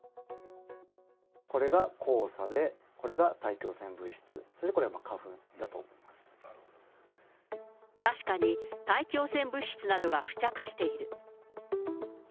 これが黄砂で、これが大気汚染物質、確かに大気汚染物質などが付着している。